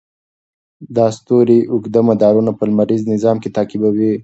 دا ستوري اوږده مدارونه په لمریز نظام کې تعقیبوي.